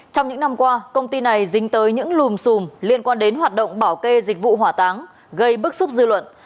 trong những năm qua công ty này dính tới những lùm xùm liên quan đến hoạt động bảo kê dịch vụ hỏa táng gây bức xúc dư luận